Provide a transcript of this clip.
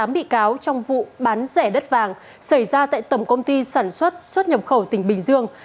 tám bị cáo trong vụ bán rẻ đất vàng xảy ra tại tổng công ty sản xuất xuất nhập khẩu tỉnh bình dương